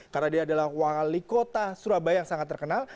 karena dia adalah wali kota surabaya yang sangat terkenal